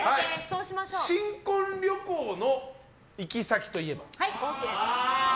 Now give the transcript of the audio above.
新婚旅行の行き先といえば。